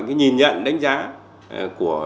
cái nhìn nhận đánh giá của